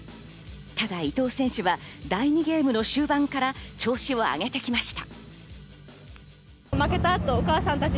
ただ伊藤選手は第２ゲームの終盤から調子を上げてきました。